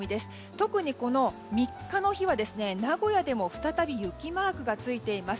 特に３日の日は名古屋でも再び雪マークがついています。